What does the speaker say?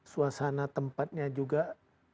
suasana tempatnya juga menjadi lebih baik